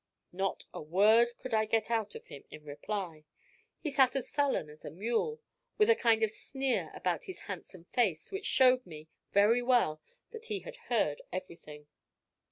Not a word could I get out of him in reply. He sat as sullen as a mule, with a kind of sneer about his handsome face, which showed me very well that he had heard everything.